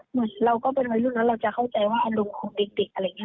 เหมือนเราก็เป็นวัยรุ่นแล้วเราจะเข้าใจว่าอารมณ์ของเด็กอะไรอย่างนี้